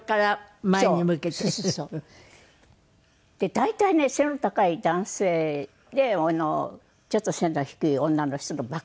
大体ね背の高い男性でちょっと背の低い女の人のバックハグ。